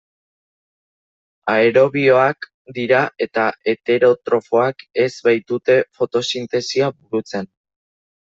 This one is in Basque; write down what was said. Aerobioak dira eta heterotrofoak, ez baitute fotosintesia burutzen.